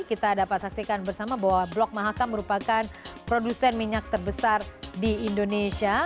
kita dapat saksikan bersama bahwa blok mahakam merupakan produsen minyak terbesar di indonesia